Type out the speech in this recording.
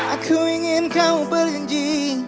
aku ingin kamu berjanji